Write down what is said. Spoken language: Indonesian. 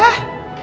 tunggu sebentar ya